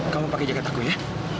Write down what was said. kamu pakai jaket aku ya